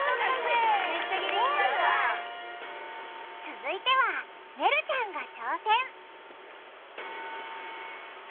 続いてはねるちゃんが挑戦！